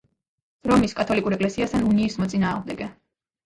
რომის კათოლიკურ ეკლესიასთან უნიის მოწინააღმდეგე.